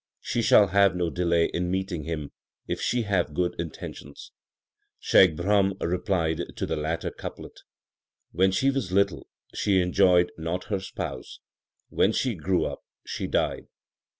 She shall have no delay in meeting Him if she have good intentions. 2 Shaikh Brahm replied to the latter couplet : When she was little, she enjoyed not her Spouse ; when she grew up she died.